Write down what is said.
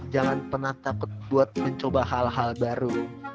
jangan pernah takut buat mencoba hal hal baru